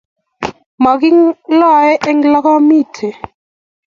Magiloen eng olamite